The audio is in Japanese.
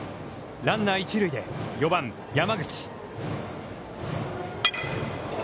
ランナー一塁で、４番山口。